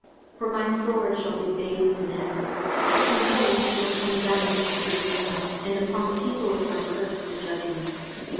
23:034:005 For my sword shall be bathed in heaven: behold, it shall come down upon Idumea, and upon the people of my curse, to judgment.